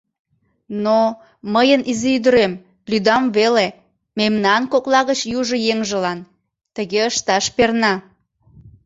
— Но, мыйын изи ӱдырем, лӱдам веле, мемнан кокла гыч южо еҥжылан... тыге ышташ перна.